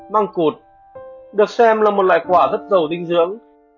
măng cụt được xem là một loại quả rất giàu tinh dưỡng